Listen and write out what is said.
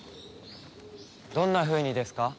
どんなふうにですか？